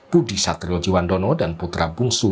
budi satrio jiwandono dan putra bungsu